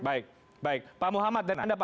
baik baik pak muhammad dan anda